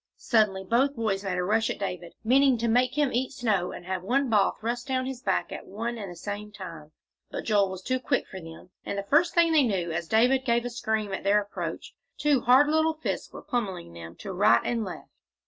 Suddenly both boys made a rush at David, meaning to make him eat snow and have one ball thrust down his back at one and the same time, but Joel was too quick for them, and the first thing they knew, as David gave a scream at their approach, two hard little fists were pommelling them to right and left.